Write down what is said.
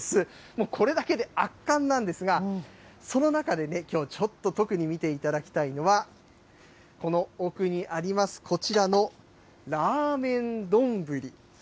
もうこれだけで圧巻なんですが、その中でね、きょう、ちょっと特に見ていただきたいのは、この奥にあります、こちらのラーメンどんぶり。